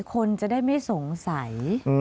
คนจะได้ไม่สงสัย